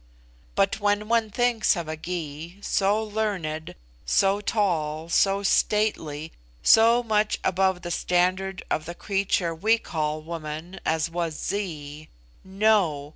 But when one thinks of a Gy, so learned, so tall, so stately, so much above the standard of the creature we call woman as was Zee, no!